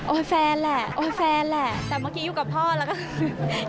แฟนแหละโอ้ยแฟนแหละแต่เมื่อกี้อยู่กับพ่อแล้วก็คือ